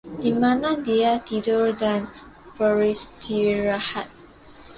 Dimana dia tidur dan beristirahat?